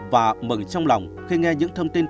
và mừng trong lòng khi nghe những thông tin